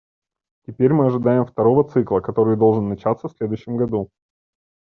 Теперь мы ожидаем второго цикла, который должен начаться в следующем году.